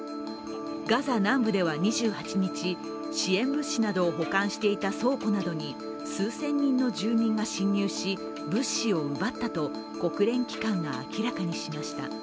ガザ南部では２８日、支援物資などを保管していた倉庫などに数千人の住民が侵入し物資を奪ったと国連機関が明らかにしました。